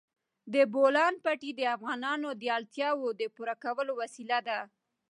د بولان پټي د افغانانو د اړتیاوو د پوره کولو وسیله ده.